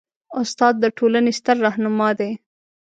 استاد د ټولنې ستر رهنما دی.